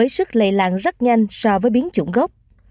sức lây lan rất nhanh so với biến chủng gốc